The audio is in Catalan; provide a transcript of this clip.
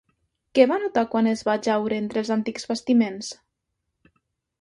Què va notar quan es va ajaure entre els antics bastiments?